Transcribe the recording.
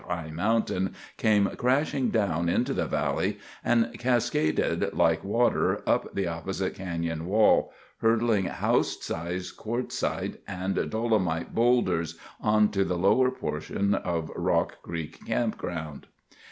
high mountain came crashing down into the valley and cascaded, like water, up the opposite canyon wall, hurtling house size quartzite and dolomite boulders onto the lower portion of Rock Creek Campground.